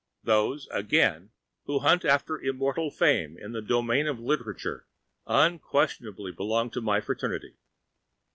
Those, again, who hunt after immortal fame in the domain of literature unquestionably belong to my fraternity.